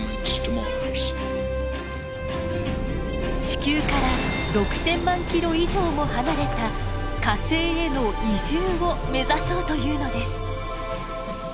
地球から６，０００万キロ以上も離れた火星への移住を目指そうというのです。